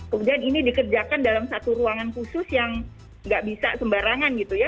kemudian ini dikerjakan dalam satu ruangan khusus yang nggak bisa sembarangan gitu ya